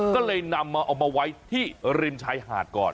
ก็เลยนำมาเอามาไว้ที่ริมชายหาดก่อน